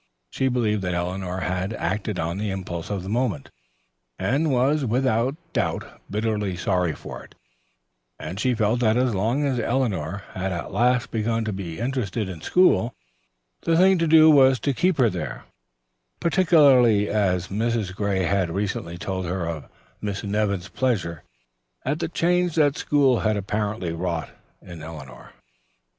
She believed that Eleanor had acted on the impulse of the moment, and was without doubt bitterly sorry for it, and she felt that as long as Eleanor had at last begun to be interested in school, the thing to do was to keep her there, particularly as Mrs. Gray had recently told her of Miss Nevin's pleasure at the change that the school had apparently wrought in Eleanor.